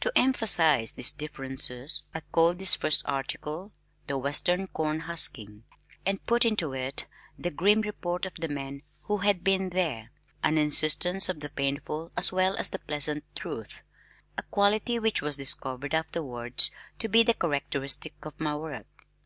To emphasize these differences I called this first article "The Western Corn Husking," and put into it the grim report of the man who had "been there," an insistence on the painful as well as the pleasant truth, a quality which was discovered afterwards to be characteristic of my work.